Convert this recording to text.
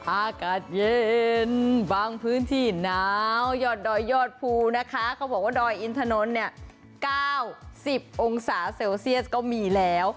อากาศเย็นบางพื้นที่หนาวยอดดอยยอดภูนะคะเขาบอกว่าดอยอินถนนเนี่ย๙๐องศาเซลเซียสก็มีแล้ว